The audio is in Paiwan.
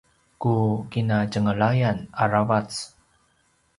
ku kinatjenglayan aravac